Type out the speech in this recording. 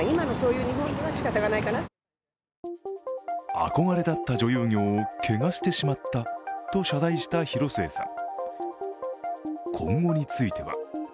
憧れだった女優業をけがしてしまったと謝罪した広末さん。